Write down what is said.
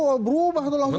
shafal berubah tuh langsung